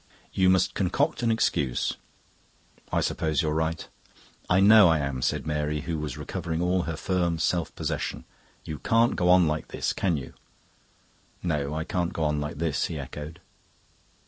"You must concoct an excuse." "I suppose you're right." "I know I am," said Mary, who was recovering all her firm self possession. "You can't go on like this, can you?" "No, I can't go on like this," he echoed.